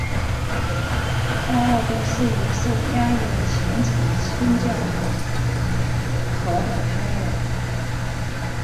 范奥登是一名受压抑的虔诚清教徒和的探员。